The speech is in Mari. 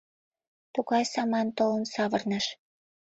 — Тугай саман толын савырныш...